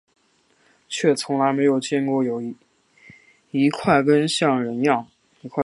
却从来没有见过有一块根像人样